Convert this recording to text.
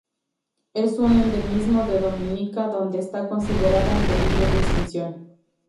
Es un endemismo de Dominica, donde está considerada en peligro de extinción.